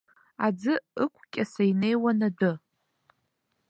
Аӡы ықәкьаса инеиуан адәы.